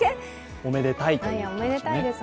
おめでたいということですね。